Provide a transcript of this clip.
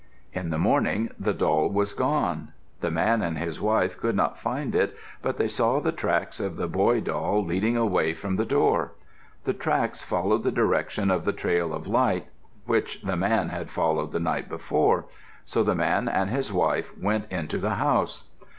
In the morning, the doll was gone. The man and his wife could not find it, but they saw the tracks of the boy doll leading away from the door. The tracks followed the direction of the trail of light which the man had followed the night before. So the man and his wife went into the house.